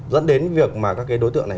dẫn đến việc mà các cái đối tượng này